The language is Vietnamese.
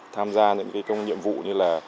tham gia những nhiệm vụ như là